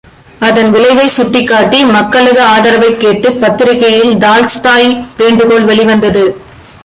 அதன் விளைவைச் சுட்டிக்காட்டி மக்களது ஆதரவைக் கேட்டு பத்திரிகையில் டால்ஸ்டாய் வேண்டுகோள் வெளிவந்தது.